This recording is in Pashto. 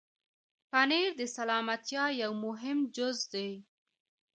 پنېر د سلامتیا یو مهم جز دی.